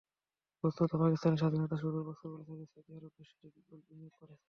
বস্তুত, পাকিস্তানের স্বাধীনতার শুরুর বছরগুলো থেকেই সৌদি আরব দেশটিতে বিপুল বিনিয়োগ করেছে।